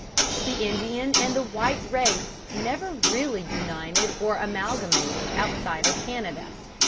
The Indian and the white race never really united or amalgamated outside of Canada.